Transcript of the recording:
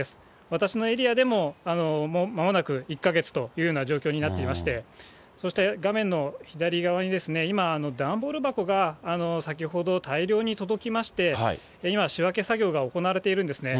私のエリアでも、もうまもなく１か月というような状況になっていまして、そして、画面の左側にですね、今、段ボール箱が先ほど大量に届きまして、今、仕分け作業が行われているんですね。